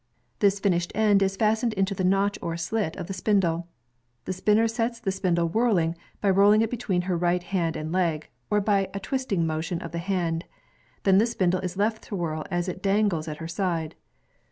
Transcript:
This fin ished end is fastened into the notch or slit of the spindle. The spinner sets the spindle whirling, by rolling it between her right hand and leg, or by a twisting motion of the hand. Then the spindle is left to whirl as it dangles at her side.